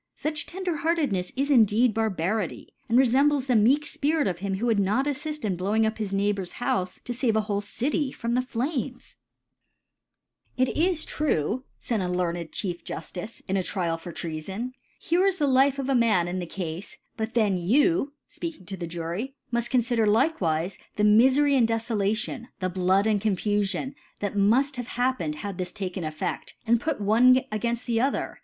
Such Tenderheartednefs is indeed Barbari ty, and refembles the meek Spirit of him who would not aflift in blowing up his Neighbour's Houfe, to fave a whole City from the Flames. ' It is true,* faid a late learned Chief Juftice *, in a Trial for Trea* fon, * here is the Life of a Man in the * Cafe^ but then you' (fpeaking to the ju ry) * muft confider likcwife the Mifery and * Defolation, the Blood and Confufion, * that muft have happened, had this taken « EfFed ; and put one againft the other, I ♦ Lord Chief Juftice Pratt.